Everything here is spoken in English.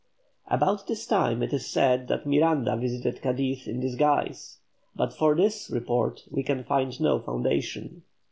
About this time it is said that Miranda visited Cadiz in disguise, but for this report we can find no foundation.